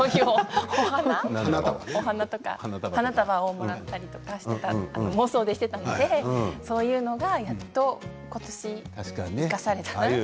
お花とか花束をもらったりとか妄想で、していたのでそういうのがやっと、ことし生かされたなって。